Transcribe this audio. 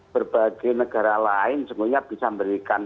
berbagai negara lain semuanya bisa memberikan